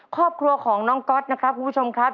ครอบครัวของน้องก๊อตนะครับคุณผู้ชมครับ